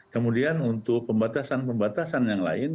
kemudian untuk pembatasan pembatasan yang lain